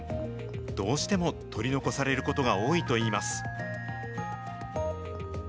どうしても取り残されることが多いといいます。